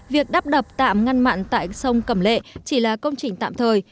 việc đắp đập tạm ngăn mặn tại sông cẩm lệ chỉ là công trình tạm thời